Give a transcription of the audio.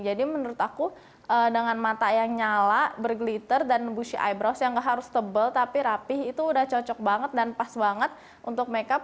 jadi menurut aku dengan mata yang nyala berglitter dan bushy eyebrows yang nggak harus tebel tapi rapih itu udah cocok banget dan pas banget untuk makeup